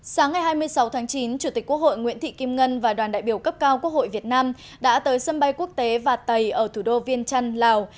sáng ngày hai mươi sáu tháng chín chủ tịch quốc hội nguyễn thị kim ngân và đoàn đại biểu cấp cao quốc hội việt nam đã tới sân bay quốc tế và tày ở thủ đô viên trăn lào